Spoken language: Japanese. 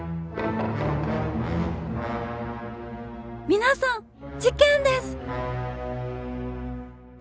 皆さん事件です！